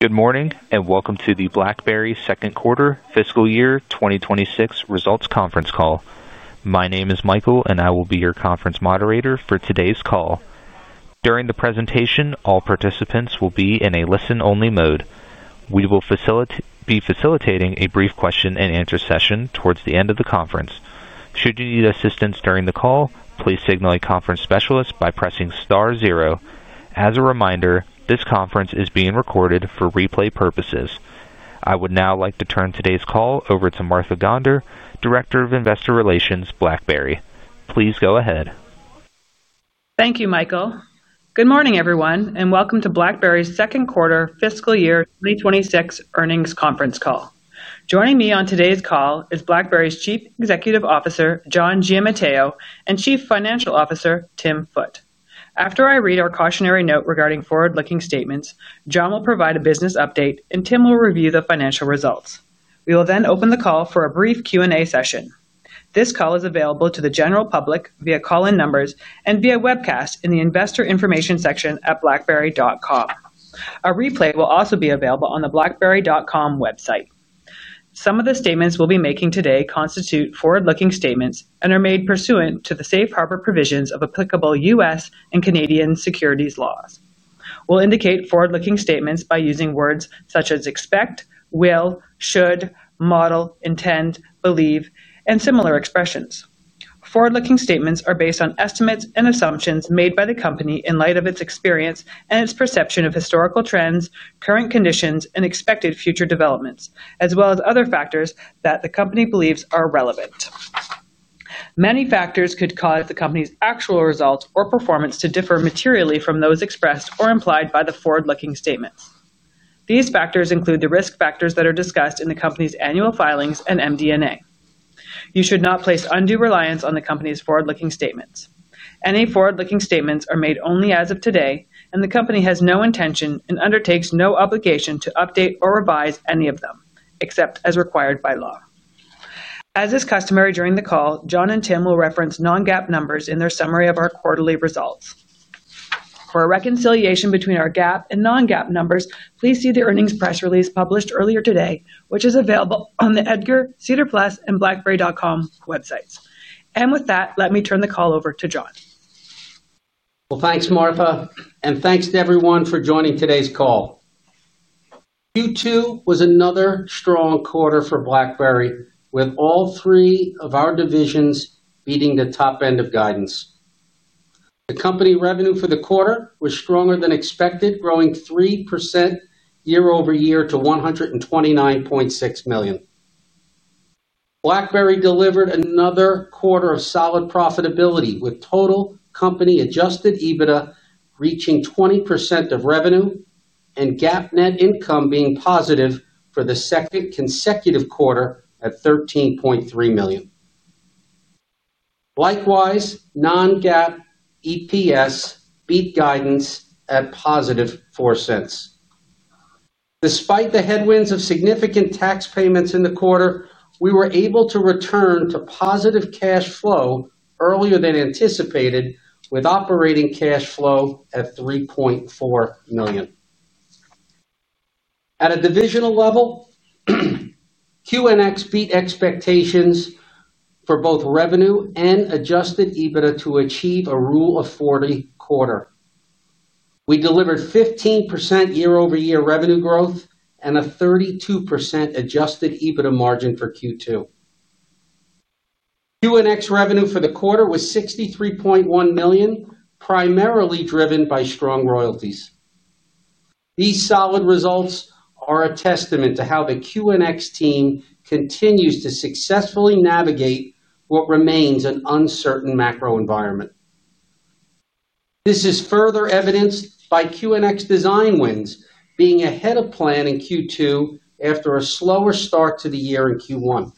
Good morning and welcome to the BlackBerry second quarter fiscal year 2026 results conference call. My name is Michael Helm and I will be your conference moderator for today's call. During the presentation, all participants will be in a listen-only mode. We will be facilitating a brief question and answer session towards the end of the conference. Should you need assistance during the call, please signal a conference specialist by pressing star zero. As a reminder, this conference is being recorded for replay purposes. I would now like to turn today's call over to Martha Gonder, Director of Investor Relations, BlackBerry. Please go ahead. Thank you, Michael. Good morning, everyone, and welcome to BlackBerry's second quarter fiscal year 2026 earnings conference call. Joining me on today's call is BlackBerry's Chief Executive Officer, John Giamatteo, and Chief Financial Officer, Tim Foote. After I read our cautionary note regarding forward-looking statements, John will provide a business update and Tim will review the financial results. We will then open the call for a brief Q&A session. This call is available to the general public via call-in numbers and via webcast in the investor information section at BlackBerry.com. A replay will also be available on the BlackBerry.com website. Some of the statements we'll be making today constitute forward-looking statements and are made pursuant to the safe harbor provisions of applicable U.S. and Canadian securities laws. We'll indicate forward-looking statements by using words such as expect, will, should, model, intend, believe, and similar expressions. Forward-looking statements are based on estimates and assumptions made by the company in light of its experience and its perception of historical trends, current conditions, and expected future developments, as well as other factors that the company believes are relevant. Many factors could cause the company's actual results or performance to differ materially from those expressed or implied by the forward-looking statements. These factors include the risk factors that are discussed in the company's annual filings and MD&A. You should not place undue reliance on the company's forward-looking statements. Any forward-looking statements are made only as of today, and the company has no intention and undertakes no obligation to update or revise any of them, except as required by law. As is customary during the call, John and Tim will reference non-GAAP numbers in their summary of our quarterly results. For a reconciliation between our GAAP and non-GAAP numbers, please see the earnings press release published earlier today, which is available on the Edgar, SEDAR+ and BlackBerry.com websites. With that, let me turn the call over to John. Thanks, Martha, and thanks to everyone for joining today's call. Q2 was another strong quarter for BlackBerry, with all three of our divisions meeting the top end of guidance. The company revenue for the quarter was stronger than expected, growing 3% year over year to $129.6 million. BlackBerry delivered another quarter of solid profitability, with total company-adjusted EBITDA reaching 20% of revenue and GAAP net income being positive for the second consecutive quarter at $13.3 million. Likewise, non-GAAP EPS beat guidance at positive $0.04. Despite the headwinds of significant tax payments in the quarter, we were able to return to positive cash flow earlier than anticipated, with operating cash flow at $3.4 million. At a divisional level, QNX beat expectations for both revenue and adjusted EBITDA to achieve a rule of 40 quarter. We delivered 15% year-over-year revenue growth and a 32% adjusted EBITDA margin for Q2. QNX revenue for the quarter was $63.1 million, primarily driven by strong royalties. These solid results are a testament to how the QNX team continues to successfully navigate what remains an uncertain macro environment. This is further evidenced by QNX design wins being ahead of plan in Q2 after a slower start to the year in Q1.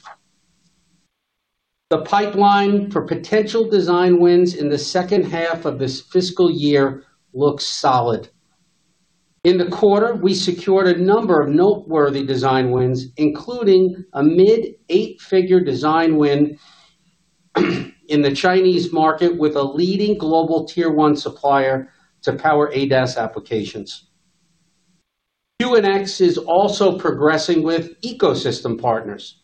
The pipeline for potential design wins in the second half of this fiscal year looks solid. In the quarter, we secured a number of noteworthy design wins, including a mid-eight-figure design win in the Chinese market with a leading global tier-one supplier to power ADAS applications. QNX is also progressing with ecosystem partners.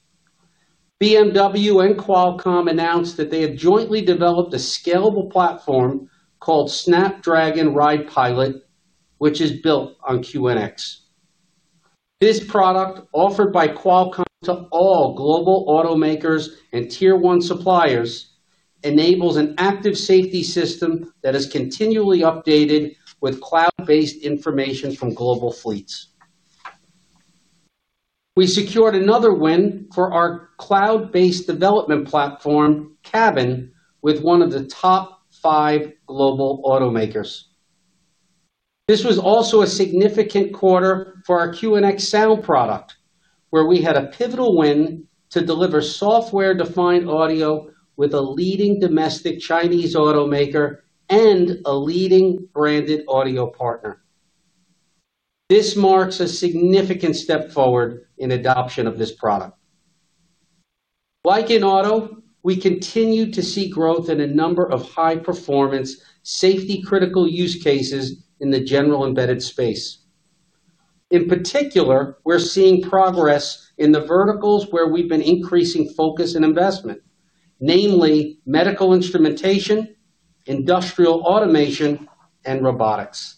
BMW and Qualcomm announced that they have jointly developed a scalable platform called Snapdragon RidePilot, which is built on QNX. This product, offered by Qualcomm to all global automakers and tier-one suppliers, enables an active safety system that is continually updated with cloud-based information from global fleets. We secured another win for our cloud-based development platform, Cabin, with one of the top five global automakers. This was also a significant quarter for our QNX sound product, where we had a pivotal win to deliver software-defined audio with a leading domestic Chinese automaker and a leading branded audio partner. This marks a significant step forward in adoption of this product. Like in auto, we continue to see growth in a number of high-performance, safety-critical use cases in the general embedded space. In particular, we're seeing progress in the verticals where we've been increasing focus and investment, namely medical instrumentation, industrial automation, and robotics.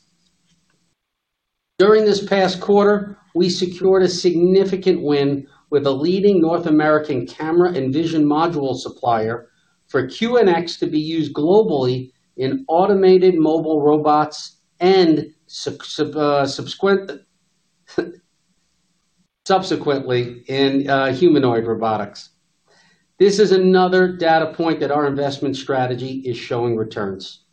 During this past quarter, we secured a significant win with a leading North American camera and vision module supplier for QNX to be used globally in automated mobile robots and subsequently in humanoid robotics. This is another data point that our investment strategy is showing returns.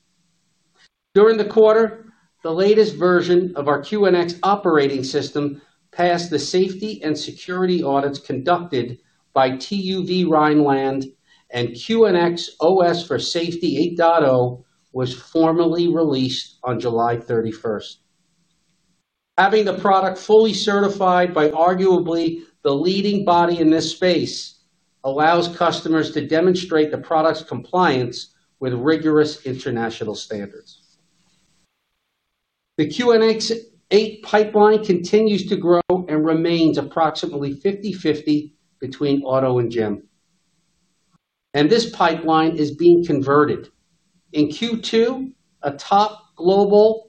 During the quarter, the latest version of our QNX operating system passed the safety and security audits conducted by TÜV Rheinland, and QNX OS for Safety 8.0 was formally released on July 31, 2023. Having the product fully certified by arguably the leading body in this space allows customers to demonstrate the product's compliance with rigorous international standards. The QNX-8 pipeline continues to grow and remains approximately 50/50 between auto and general industry. This pipeline is being converted. In Q2, a top global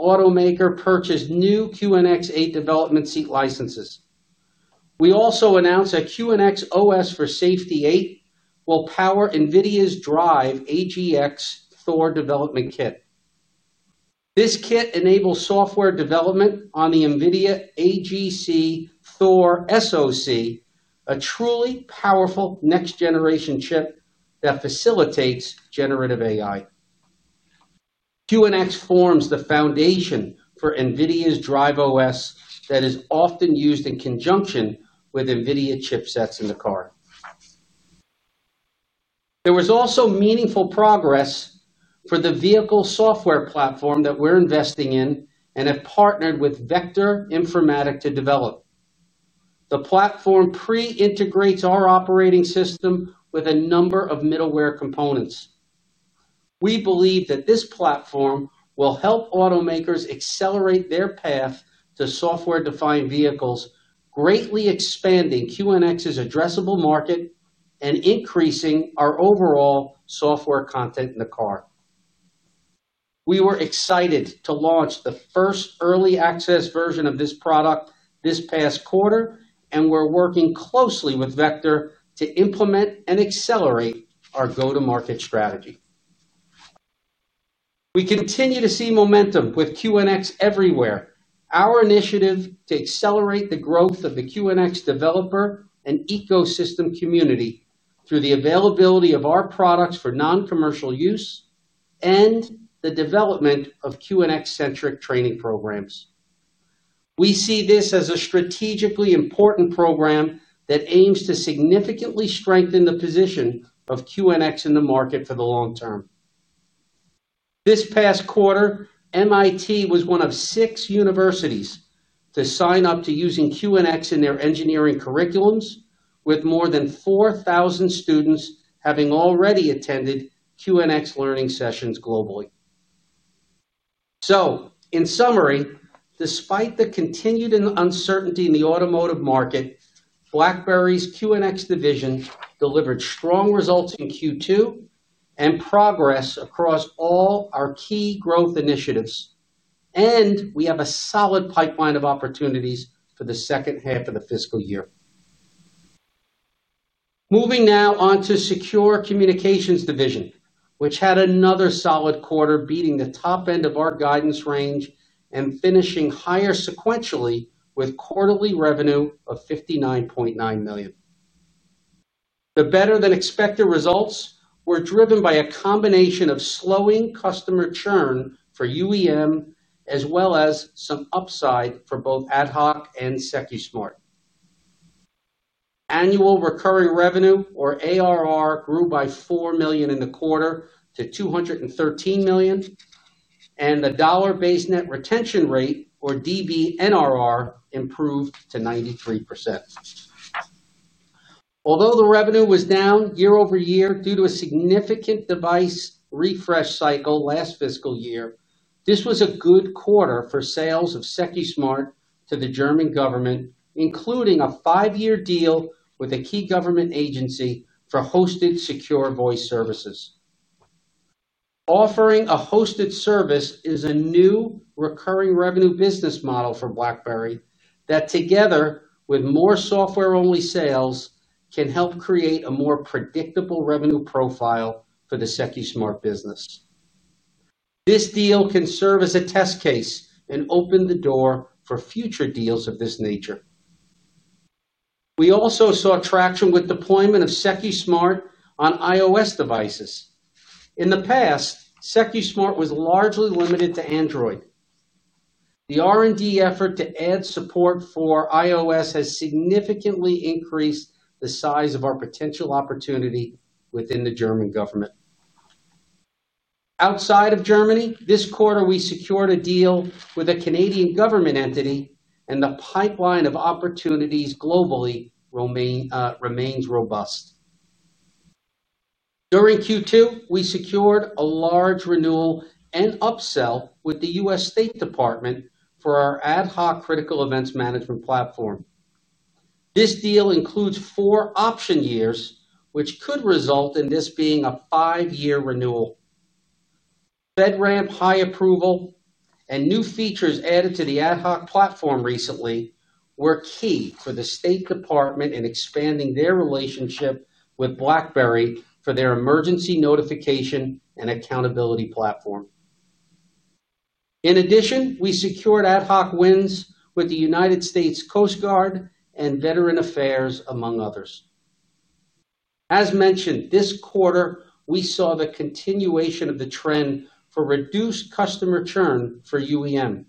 automaker purchased new QNX-8 development seat licenses. We also announced that QNX OS for Safety 8.0 will power NVIDIA's DRIVE AGX Thor development kit. This kit enables software development on the NVIDIA AGX Thor SoC, a truly powerful next-generation chip that facilitates generative AI. QNX forms the foundation for NVIDIA's DRIVE OS that is often used in conjunction with NVIDIA chipsets in the car. There was also meaningful progress for the vehicle software platform that we're investing in and have partnered with Vector Informatik to develop. The platform pre-integrates our operating system with a number of middleware components. We believe that this platform will help automakers accelerate their path to software-defined vehicles, greatly expanding QNX's addressable market and increasing our overall software content in the car. We were excited to launch the first early access version of this product this past quarter, and we're working closely with Vector to implement and accelerate our go-to-market strategy. We continue to see momentum with QNX everywhere. Our initiative to accelerate the growth of the QNX developer and ecosystem community through the availability of our products for non-commercial use and the development of QNX-centric training programs. We see this as a strategically important program that aims to significantly strengthen the position of QNX in the market for the long term. This past quarter, MIT was one of six universities to sign up to using QNX in their engineering curriculums, with more than 4,000 students having already attended QNX learning sessions globally. In summary, despite the continued uncertainty in the automotive market, BlackBerry's QNX division delivered strong results in Q2 and progress across all our key growth initiatives, and we have a solid pipeline of opportunities for the second half of the fiscal year. Moving now on to the Secure Communications division, which had another solid quarter beating the top end of our guidance range and finishing higher sequentially with quarterly revenue of $59.9 million. The better than expected results were driven by a combination of slowing customer churn for UEM as well as some upside for both ad hoc and SecuSmart. Annual recurring revenue, or ARR, grew by $4 million in the quarter to $213 million, and the dollar-based net retention rate, or DVNRR, improved to 93%. Although the revenue was down year over year due to a significant device refresh cycle last fiscal year, this was a good quarter for sales of SecuSmart to the German government, including a five-year deal with a key government agency for hosted secure voice services. Offering a hosted service is a new recurring revenue business model for BlackBerry that, together with more software-only sales, can help create a more predictable revenue profile for the SecuSmart business. This deal can serve as a test case and open the door for future deals of this nature. We also saw traction with the deployment of SecuSmart on iOS devices. In the past, SecuSmart was largely limited to Android. The R&D effort to add support for iOS has significantly increased the size of our potential opportunity within the German government. Outside of Germany, this quarter we secured a deal with a Canadian government entity, and the pipeline of opportunities globally remains robust. During Q2, we secured a large renewal and upsell with the U.S. State Department for our ad hoc critical events management platform. This deal includes four option years, which could result in this being a five-year renewal. FedRAMP High approval and new features added to the ad hoc platform recently were key for the State Department in expanding their relationship with BlackBerry for their emergency notification and accountability platform. In addition, we secured ad hoc wins with the U.S. Coast Guard and Veteran Affairs, among others. As mentioned, this quarter we saw the continuation of the trend for reduced customer churn for UEM.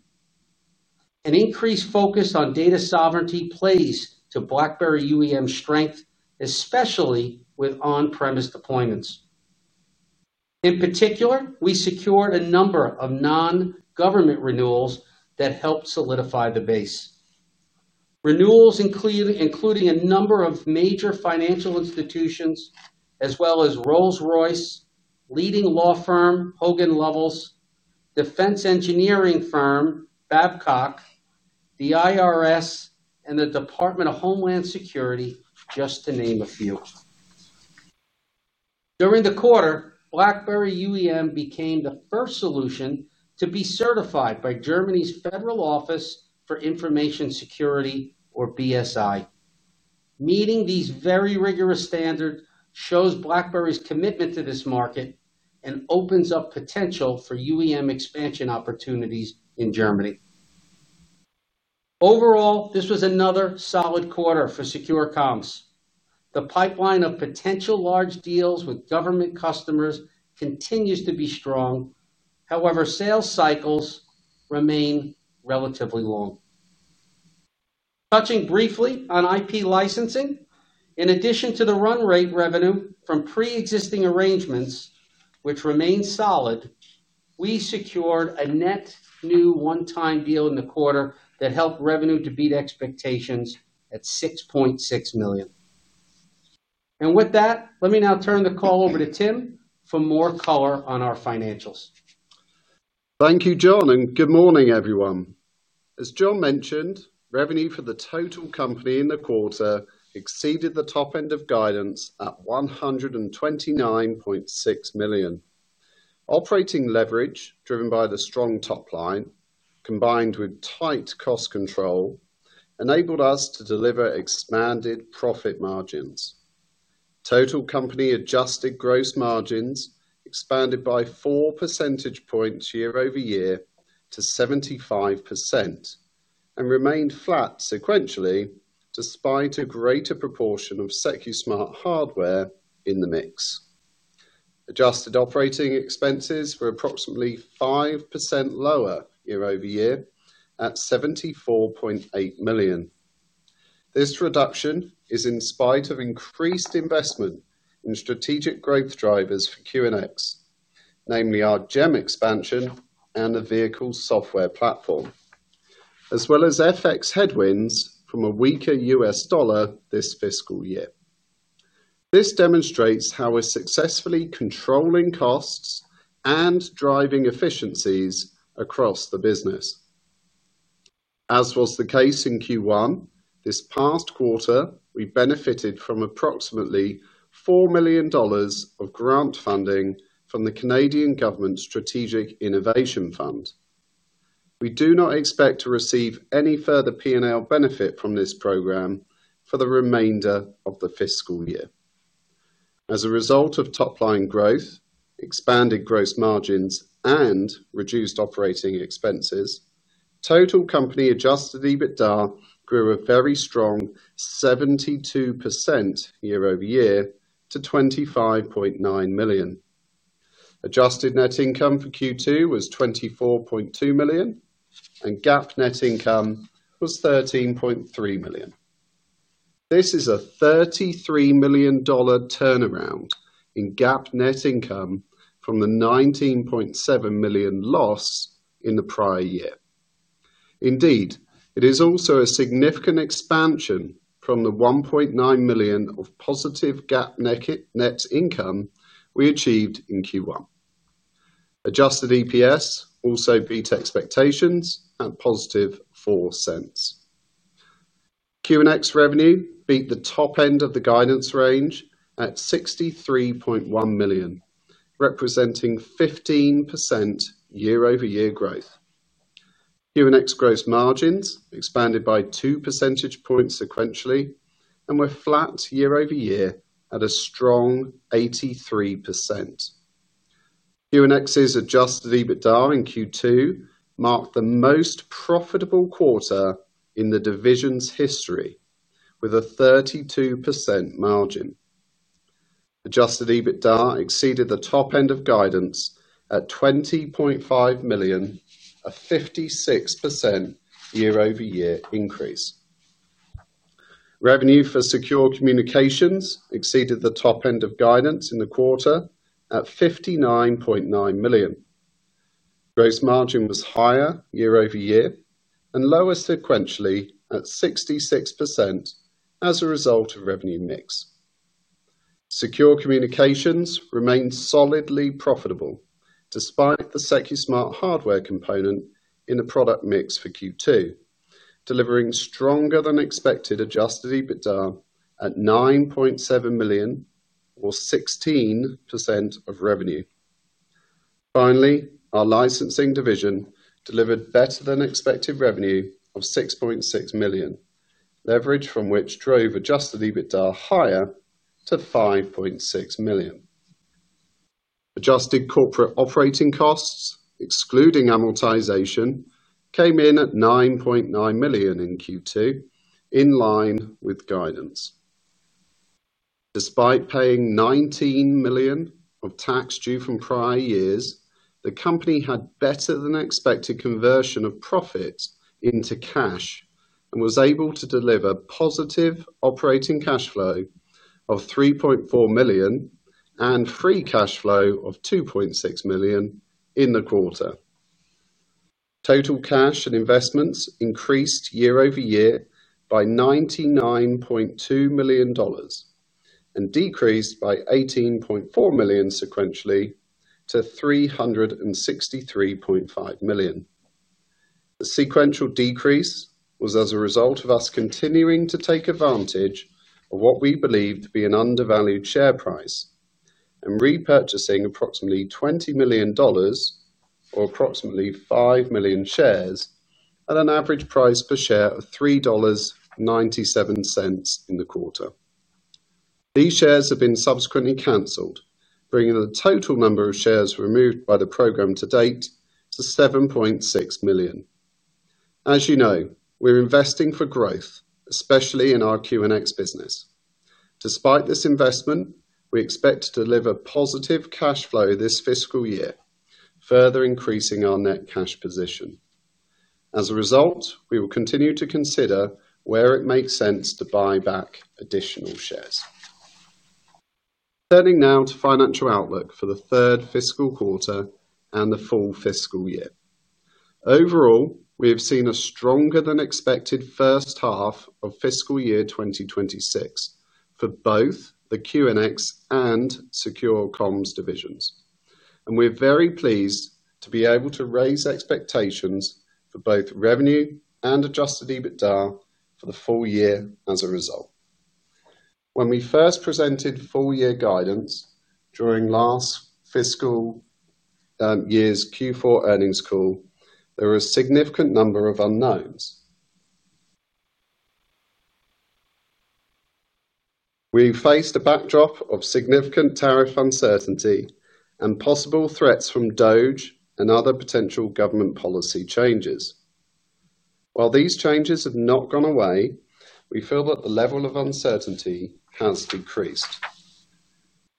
An increased focus on data sovereignty plays to BlackBerry UEM's strength, especially with on-premise deployments. In particular, we secured a number of non-government renewals that helped solidify the base. Renewals include a number of major financial institutions, as well as Rolls Royce, leading law firm Hogan Lovells, defense engineering firm Babcock, the IRS, and the Department of Homeland Security, just to name a few. During the quarter, BlackBerry UEM became the first solution to be certified by Germany's Federal Office for Information Security, or BSI. Meeting these very rigorous standards shows BlackBerry's commitment to this market and opens up potential for UEM expansion opportunities in Germany. Overall, this was another solid quarter for secure comms. The pipeline of potential large deals with government customers continues to be strong, however, sales cycles remain relatively long. Touching briefly on IP licensing, in addition to the run-rate revenue from pre-existing arrangements, which remains solid, we secured a net new one-time deal in the quarter that helped revenue to beat expectations at $6.6 million. With that, let me now turn the call over to Tim for more color on our financials. Thank you, John, and good morning, everyone. As John mentioned, revenue for the total company in the quarter exceeded the top end of guidance at $129.6 million. Operating leverage driven by the strong top line, combined with tight cost control, enabled us to deliver expanded profit margins. Total company adjusted gross margins expanded by 4% year over year to 75% and remained flat sequentially despite a greater proportion of SecuSmart hardware in the mix. Adjusted operating expenses were approximately 5% lower year over year at $74.8 million. This reduction is in spite of increased investment in strategic growth drivers for QNX, namely our GEM expansion and the vehicle software platform, as well as FX headwinds from a weaker U.S. dollar this fiscal year. This demonstrates how we're successfully controlling costs and driving efficiencies across the business. As was the case in Q1, this past quarter we benefited from approximately $4 million of grant funding from the Canadian Government Strategic Innovation Fund. We do not expect to receive any further P&L benefit from this program for the remainder of the fiscal year. As a result of top-line growth, expanded gross margins, and reduced operating expenses, total company adjusted EBITDA grew a very strong 72% year over year to $25.9 million. Adjusted net income for Q2 was $24.2 million, and GAAP net income was $13.3 million. This is a $33 million turnaround in GAAP net income from the $19.7 million loss in the prior year. Indeed, it is also a significant expansion from the $1.9 million of positive GAAP net income we achieved in Q1. Adjusted EPS also beat expectations at positive $0.04. QNX revenue beat the top end of the guidance range at $63.1 million, representing 15% year-over-year growth. QNX gross margins expanded by 2% sequentially and were flat year over year at a strong 83%. QNX's adjusted EBITDA in Q2 marked the most profitable quarter in the division's history with a 32% margin. Adjusted EBITDA exceeded the top end of guidance at $20.5 million, a 56% year-over-year increase. Revenue for secure communications exceeded the top end of guidance in the quarter at $59.9 million. Gross margin was higher year over year and lower sequentially at 66% as a result of revenue mix. Secure communications remains solidly profitable despite the SecuSmart hardware component in the product mix for Q2, delivering stronger than expected adjusted EBITDA at $9.7 million, or 16% of revenue. Finally, our licensing division delivered better than expected revenue of $6.6 million, leverage from which drove adjusted EBITDA higher to $5.6 million. Adjusted corporate operating costs, excluding amortization, came in at $9.9 million in Q2, in line with guidance. Despite paying $19 million of tax due from prior years, the company had better than expected conversion of profits into cash and was able to deliver positive operating cash flow of $3.4 million and free cash flow of $2.6 million in the quarter. Total cash and investments increased year over year by $99.2 million and decreased by $18.4 million sequentially to $363.5 million. The sequential decrease was as a result of us continuing to take advantage of what we believed to be an undervalued share price and repurchasing approximately $20 million, or approximately 5 million shares at an average price per share of $3.97 in the quarter. These shares have been subsequently canceled, bringing the total number of shares removed by the program to date to 7.6 million. As you know, we're investing for growth, especially in our QNX business. Despite this investment, we expect to deliver positive cash flow this fiscal year, further increasing our net cash position. As a result, we will continue to consider where it makes sense to buy back additional shares. Turning now to financial outlook for the third fiscal quarter and the full fiscal year. Overall, we have seen a stronger than expected first half of fiscal year 2026 for both the QNX and Secure Comms divisions, and we're very pleased to be able to raise expectations for both revenue and adjusted EBITDA for the full year as a result. When we first presented full-year guidance during last fiscal year's Q4 earnings call, there were a significant number of unknowns. We faced a backdrop of significant tariff uncertainty and possible threats from DOGE and other potential government policy changes. While these changes have not gone away, we feel that the level of uncertainty has decreased.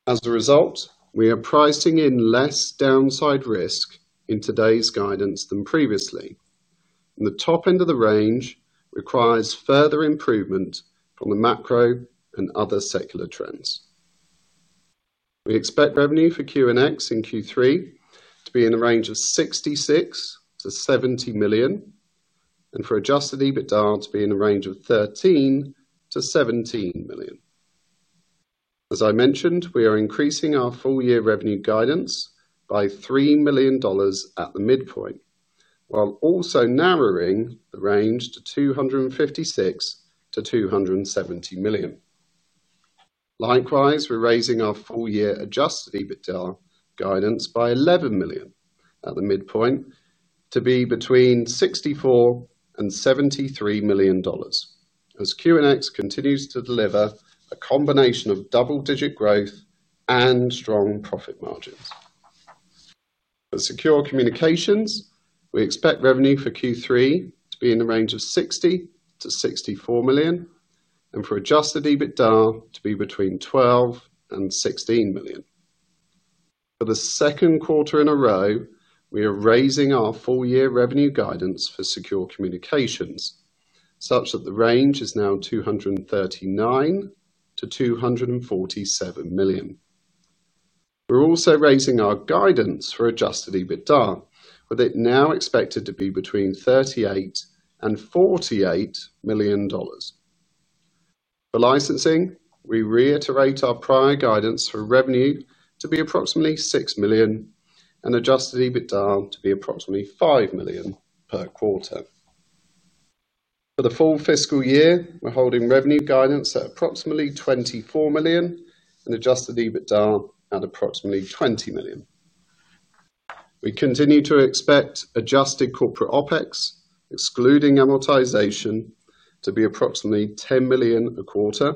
As a result, we are pricing in less downside risk in today's guidance than previously, and the top end of the range requires further improvement on the macro and other secular trends. We expect revenue for QNX in Q3 to be in the range of $66 to $70 million and for adjusted EBITDA to be in the range of $13 to $17 million. As I mentioned, we are increasing our full-year revenue guidance by $3 million at the midpoint, while also narrowing the range to $256 to $270 million. Likewise, we're raising our full-year adjusted EBITDA guidance by $11 million at the midpoint to be between $64 and $73 million, as QNX continues to deliver a combination of double-digit growth and strong profit margins. For secure communications, we expect revenue for Q3 to be in the range of $60 to $64 million and for adjusted EBITDA to be between $12 and $16 million. For the second quarter in a row, we are raising our full-year revenue guidance for secure communications such that the range is now $239 to $247 million. We're also raising our guidance for adjusted EBITDA with it now expected to be between $38 and $48 million. For licensing, we reiterate our prior guidance for revenue to be approximately $6 million and adjusted EBITDA to be approximately $5 million per quarter. For the full fiscal year, we're holding revenue guidance at approximately $24 million and adjusted EBITDA at approximately $20 million. We continue to expect adjusted corporate OpEx, excluding amortization, to be approximately $10 million a quarter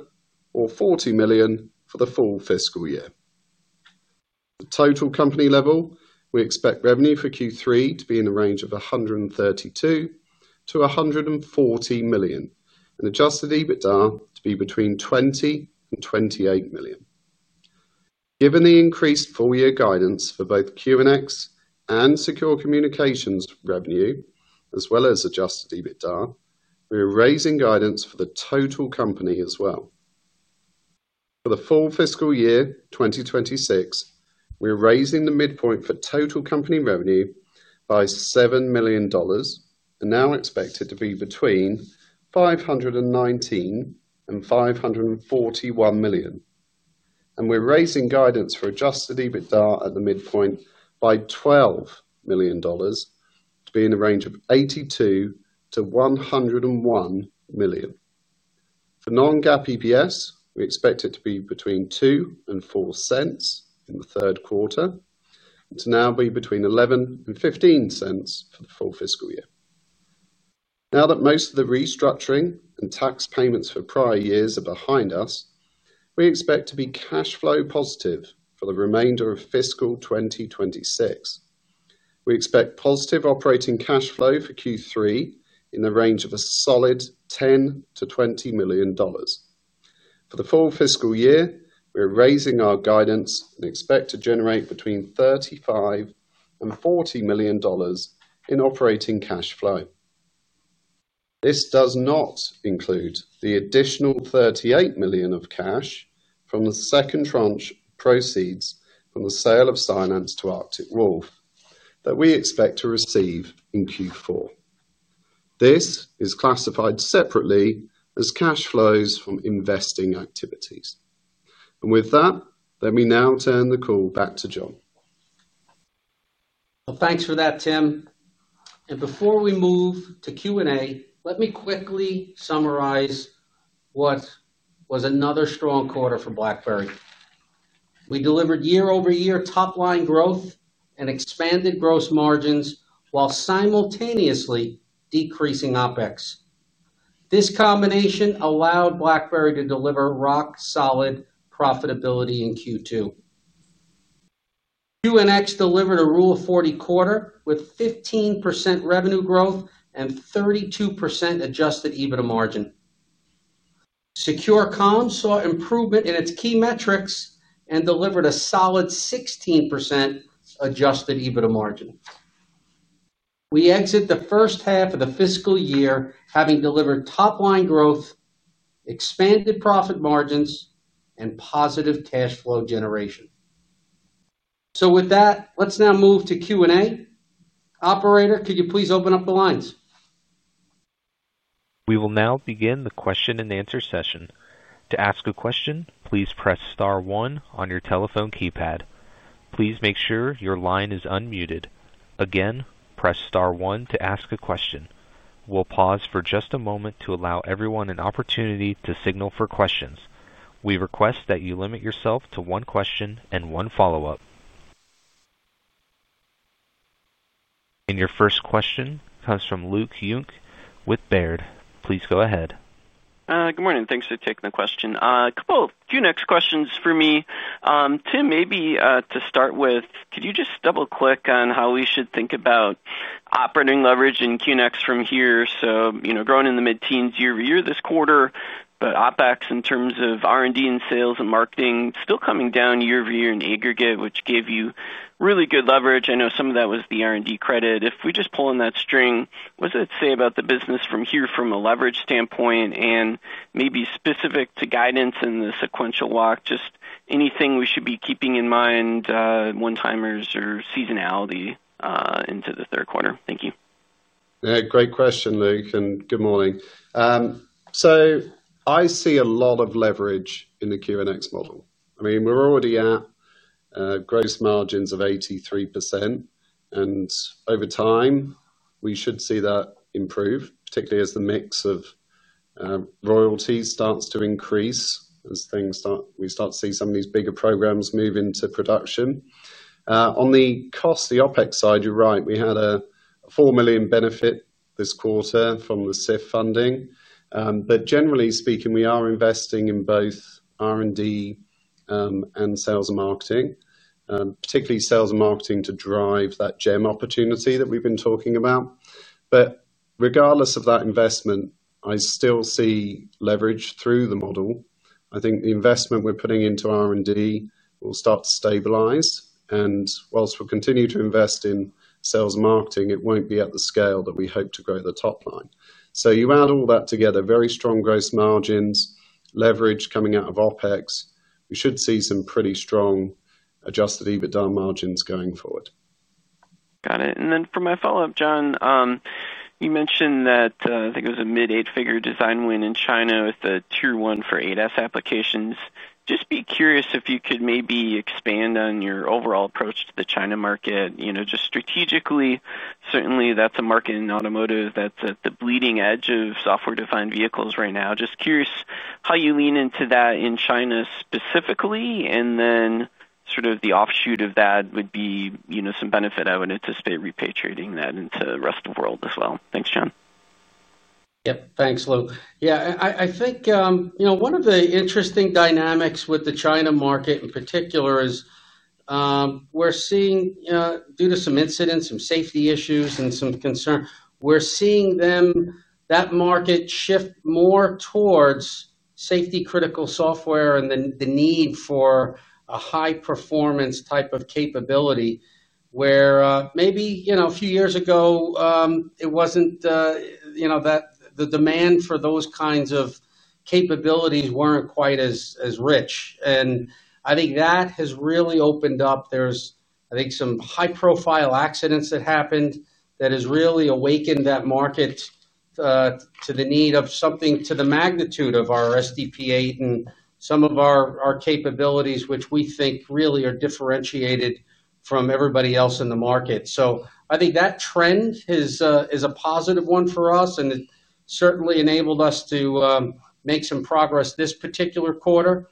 or $40 million for the full fiscal year. For total company level, we expect revenue for Q3 to be in the range of $132 to $140 million and adjusted EBITDA to be between $20 and $28 million. Given the increased full-year guidance for both QNX and secure communications revenue, as well as adjusted EBITDA, we are raising guidance for the total company as well. For the full fiscal year 2026, we're raising the midpoint for total company revenue by $7 million and now expected to be between $519 and $541 million, and we're raising guidance for adjusted EBITDA at the midpoint by $12 million, to be in the range of $82 to $101 million. For non-GAAP EPS, we expect it to be between $0.02 and $0.04 in the third quarter and to now be between $0.11 and $0.15 for the full fiscal year. Now that most of the restructuring and tax payments for prior years are behind us, we expect to be cash flow positive for the remainder of fiscal 2026. We expect positive operating cash flow for Q3 in the range of a solid $10 to $20 million. For the full fiscal year, we're raising our guidance and expect to generate between $35 and $40 million in operating cash flow. This does not include the additional $38 million of cash from the second tranche of proceeds from the sale of Cylance to Arctic Wolf that we expect to receive in Q4. This is classified separately as cash flows from investing activities. With that, let me now turn the call back to John. Thank you for that, Tim. Before we move to Q&A, let me quickly summarize what was another strong quarter for BlackBerry. We delivered year-over-year top-line growth and expanded gross margins while simultaneously decreasing OpEx. This combination allowed BlackBerry to deliver rock-solid profitability in Q2. QNX delivered a rule of 40 quarter with 15% revenue growth and 32% adjusted EBITDA margin. Secure Comms saw improvement in its key metrics and delivered a solid 16% adjusted EBITDA margin. We exit the first half of the fiscal year having delivered top-line growth, expanded profit margins, and positive cash flow generation. With that, let's now move to Q&A. Operator, could you please open up the lines? We will now begin the question and answer session. To ask a question, please press star one on your telephone keypad. Please make sure your line is unmuted. Again, press star one to ask a question. We'll pause for just a moment to allow everyone an opportunity to signal for questions. We request that you limit yourself to one question and one follow-up. Your first question comes from Luke L. Junk with Baird. Please go ahead. Good morning. Thanks for taking the question. A couple of QNX questions for me. Tim, maybe to start with, could you just double-click on how we should think about operating leverage in QNX from here? Growing in the mid-teens year over year this quarter, but OpEx in terms of R&D and sales and marketing still coming down year over year in aggregate, which gave you really good leverage. I know some of that was the R&D credit. If we just pull in that string, what does it say about the business from here from a leverage standpoint and maybe specific to guidance in the sequential walk, just anything we should be keeping in mind, one-timers or seasonality into the third quarter? Thank you. Yeah, great question, Luke, and good morning. I see a lot of leverage in the QNX model. We're already at gross margins of 83%, and over time, we should see that improve, particularly as the mix of royalties starts to increase as we start to see some of these bigger programs move into production. On the cost, the OpEx side, you're right, we had a $4 million benefit this quarter from the CIF funding. Generally speaking, we are investing in both R&D and sales and marketing, particularly sales and marketing to drive that GEM opportunity that we've been talking about. Regardless of that investment, I still see leverage through the model. I think the investment we're putting into R&D will start to stabilize, and whilst we'll continue to invest in sales and marketing, it won't be at the scale that we hope to grow the top line. You add all that together, very strong gross margins, leverage coming out of OpEx, we should see some pretty strong adjusted EBITDA margins going forward. Got it. For my follow-up, John, you mentioned that I think it was a mid-eight-figure design win in China with the tier one for ADAS applications. Just be curious if you could maybe expand on your overall approach to the China market, you know, just strategically. Certainly, that's a market in automotive that's at the bleeding edge of software-defined vehicles right now. Just curious how you lean into that in China specifically, and then sort of the offshoot of that would be, you know, some benefit. I would anticipate repatriating that into the rest of the world as well. Thanks, John. Thanks, Luke. I think one of the interesting dynamics with the China market in particular is we're seeing, due to some incidents, some safety issues, and some concern, that market shift more towards safety-critical software and the need for a high-performance type of capability where maybe a few years ago, the demand for those kinds of capabilities wasn't quite as rich. I think that has really opened up. There are some high-profile accidents that happened that have really awakened that market to the need of something to the magnitude of our SDP8 and some of our capabilities, which we think really are differentiated from everybody else in the market. I think that trend is a positive one for us, and it certainly enabled us to make some progress this particular quarter.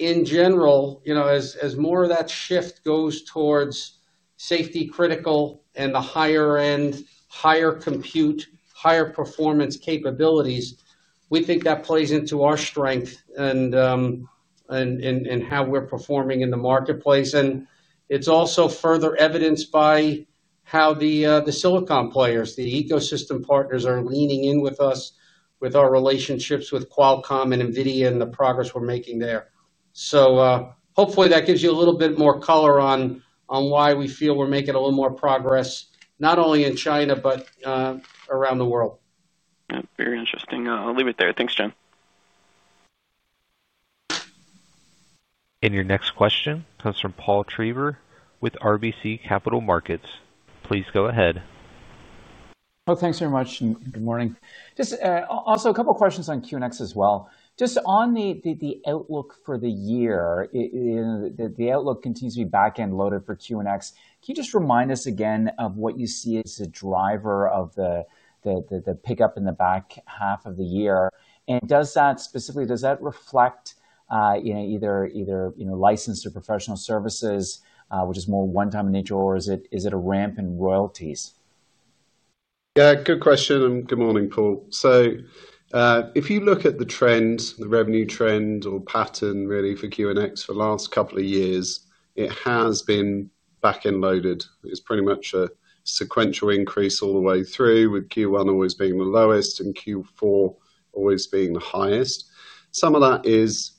In general, as more of that shift goes towards safety-critical and the higher-end, higher compute, higher performance capabilities, we think that plays into our strength and how we're performing in the marketplace. It's also further evidenced by how the Silicon players, the ecosystem partners, are leaning in with us with our relationships with Qualcomm and NVIDIA and the progress we're making there. Hopefully, that gives you a little bit more color on why we feel we're making a little more progress, not only in China, but around the world. Yeah, very interesting. I'll leave it there. Thanks, John. Your next question comes from Paul Michael Treiber with RBC Capital Markets. Please go ahead. Thanks very much, and good morning. Just a couple of questions on QNX as well. On the outlook for the year, the outlook continues to be back-end loaded for QNX. Can you remind us again of what you see as a driver of the pickup in the back half of the year? Does that specifically reflect either licensed or professional services, which is more one-time in nature, or is it a ramp in royalties? Yeah, good question, and good morning, Paul. If you look at the trends, the revenue trend or pattern really for QNX for the last couple of years, it has been back-end loaded. It's pretty much a sequential increase all the way through, with Q1 always being the lowest and Q4 always being the highest. Some of that is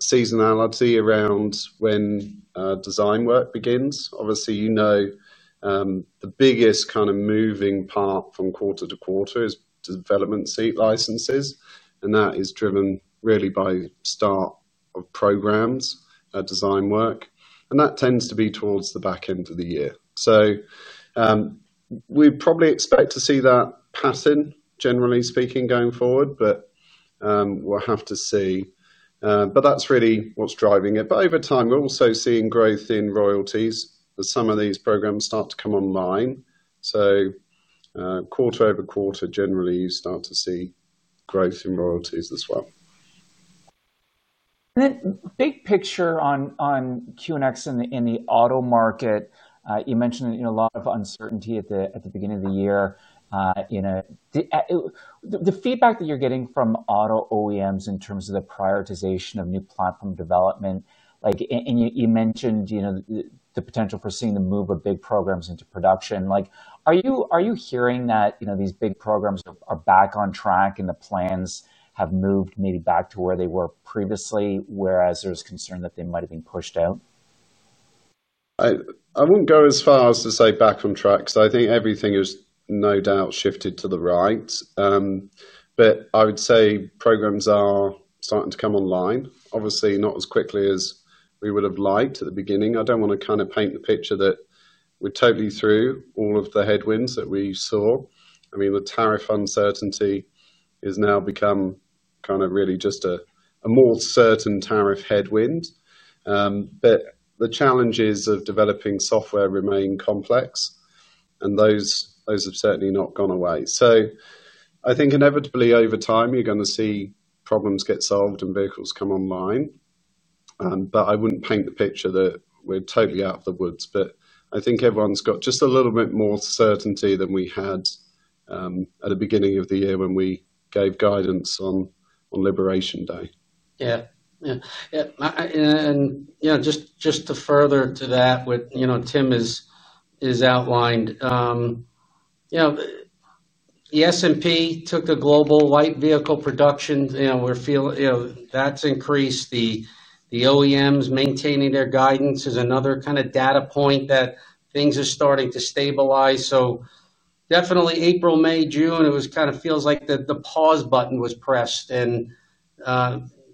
seasonality around when design work begins. Obviously, you know, the biggest kind of moving part from quarter to quarter is development seat licenses, and that is driven really by the start of programs and design work. That tends to be towards the back end of the year. We probably expect to see that pattern, generally speaking, going forward, but we'll have to see. That's really what's driving it. Over time, we're also seeing growth in royalties as some of these programs start to come online. Quarter over quarter, generally, you start to see growth in royalties as well. Big picture on QNX in the auto market, you mentioned a lot of uncertainty at the beginning of the year. The feedback that you're getting from auto OEMs in terms of the prioritization of new platform development, like you mentioned, the potential for seeing the move of big programs into production. Are you hearing that these big programs are back on track and the plans have moved maybe back to where they were previously, whereas there's concern that they might have been pushed out? I wouldn't go as far as to say back on track because I think everything is no doubt shifted to the right. I would say programs are starting to come online, obviously not as quickly as we would have liked at the beginning. I don't want to kind of paint the picture that we're totally through all of the headwinds that we saw. The tariff uncertainty has now become kind of really just a more certain tariff headwind. The challenges of developing software remain complex, and those have certainly not gone away. I think inevitably over time, you're going to see problems get solved and vehicles come online. I wouldn't paint the picture that we're totally out of the woods. I think everyone's got just a little bit more certainty than we had at the beginning of the year when we gave guidance on Liberation Day. Yeah, just to further to that, what Tim has outlined, you know, the S&P took a global light vehicle production, and we're feeling, you know, that's increased. The OEMs maintaining their guidance is another kind of data point that things are starting to stabilize. April, May, June, it kind of feels like the pause button was pressed, and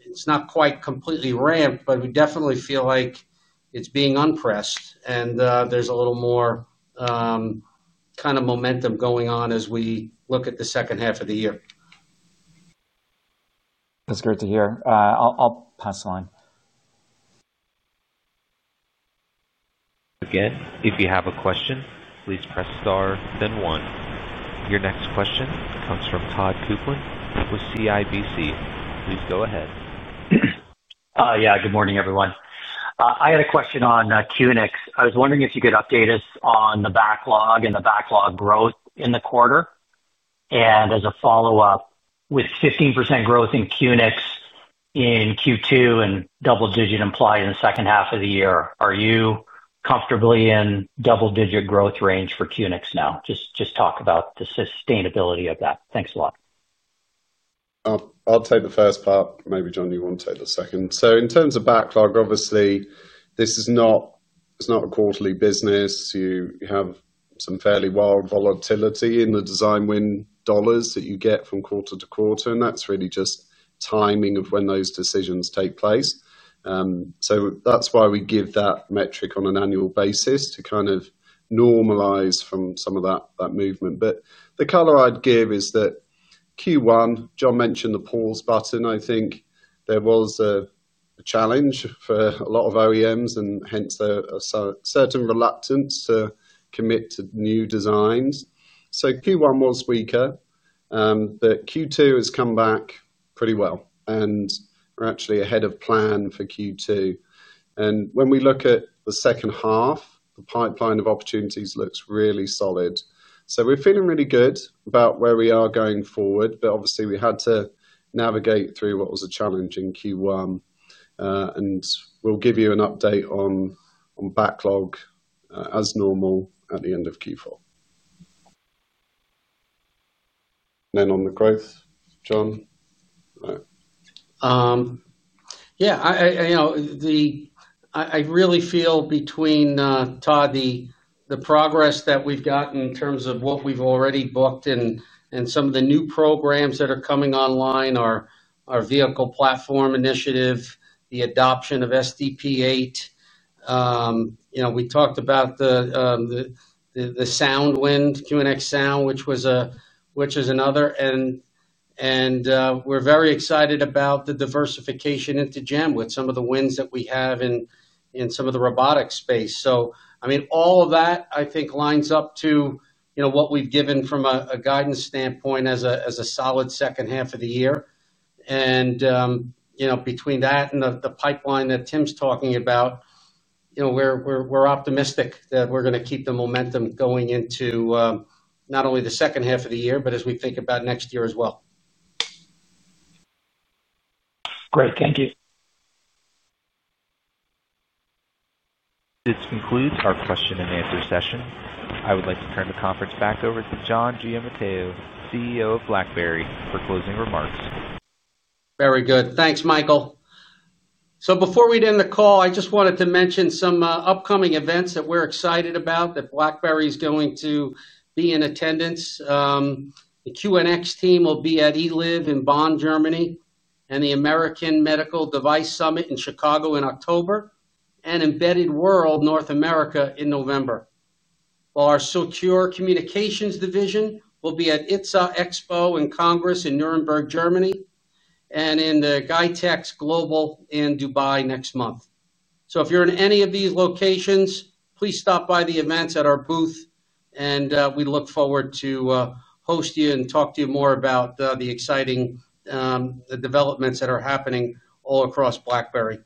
it's not quite completely ramped, but we definitely feel like it's being unpressed, and there's a little more kind of momentum going on as we look at the second half of the year. That's great to hear. I'll pass the line. Again, if you have a question, please press star, then one. Your next question comes from Todd Adair Coupland with CIBC. Please go ahead. Yeah, good morning, everyone. I had a question on QNX. I was wondering if you could update us on the backlog and the backlog growth in the quarter. As a follow-up, with 15% growth in QNX in Q2 and double-digit implied in the second half of the year, are you comfortably in double-digit growth range for QNX now? Just talk about the sustainability of that. Thanks a lot. I'll take the first part. Maybe, John, you want to take the second. In terms of backlog, obviously, this is not a quarterly business. You have some fairly wild volatility in the design win dollars that you get from quarter to quarter, and that's really just timing of when those decisions take place. That's why we give that metric on an annual basis to kind of normalize from some of that movement. The color I'd give is that Q1, John mentioned the pause button. I think there was a challenge for a lot of OEMs, and hence a certain reluctance to commit to new designs. Q1 was weaker, but Q2 has come back pretty well, and we're actually ahead of plan for Q2. When we look at the second half, the pipeline of opportunities looks really solid. We're feeling really good about where we are going forward, but obviously, we had to navigate through what was a challenge in Q1. We'll give you an update on backlog as normal at the end of Q4. On the growth, John. Yeah, you know, I really feel between Todd, the progress that we've gotten in terms of what we've already booked and some of the new programs that are coming online, our vehicle platform initiative, the adoption of SDP8. You know, we talked about the sound win, QNX Sound, which is another. We're very excited about the diversification into GEM with some of the wins that we have in some of the robotics space. I mean, all of that, I think, lines up to what we've given from a guidance standpoint as a solid second half of the year. You know, between that and the pipeline that Tim's talking about, we're optimistic that we're going to keep the momentum going into not only the second half of the year, but as we think about next year as well. Great, thank you. This concludes our question and answer session. I would like to turn the conference back over to John Giamatteo, CEO of BlackBerry, for closing remarks. Very good. Thanks, Michael. Before we end the call, I just wanted to mention some upcoming events that we're excited about that BlackBerry is going to be in attendance. The QNX team will be at ELIV in Bonn, Germany, the American Medical Device Summit in Chicago in October, and Embedded World North America in November. Our Secure Communications division will be at ITSA Expo and Congress in Nuremberg, Germany, and at GITEX Global in Dubai next month. If you're in any of these locations, please stop by the events at our booth. We look forward to hosting you and talking to you more about the exciting developments that are happening all across BlackBerry.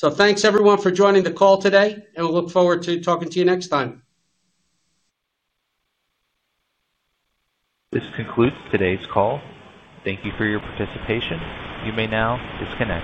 Thanks, everyone, for joining the call today, and we look forward to talking to you next time. This concludes today's call. Thank you for your participation. You may now disconnect.